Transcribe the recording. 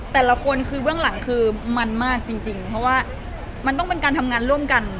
แต่ละคนคือเบื้องหลังคือมันมากจริงเพราะว่ามันต้องเป็นการทำงานร่วมกัน